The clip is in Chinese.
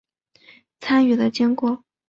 参与的经过